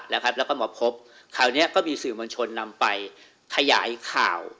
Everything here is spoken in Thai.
แล้วครับแล้วก็หมดพบคราวเนี้ยก็มีสื่อมัญชนนำไปขยายข่าว